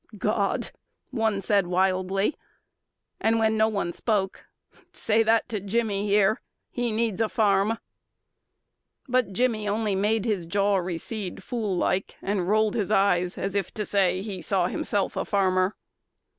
"God!" one said wildly, and, when no one spoke: "Say that to Jimmy here. He needs a farm." But Jimmy only made his jaw recede Fool like, and rolled his eyes as if to say He saw himself a farmer.